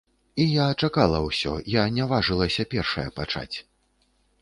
І я чакала ўсё, я не важылася першая пачаць.